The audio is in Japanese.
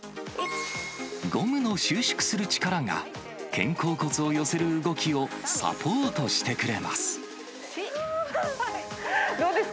ゴムの収縮する力が肩甲骨を寄せる動きをサポートしてくれます。